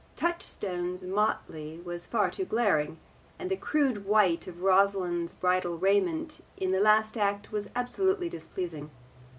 Touchstone's motley was far too glaring, and the crude white of Rosalind's bridal raiment in the last act was absolutely displeasing.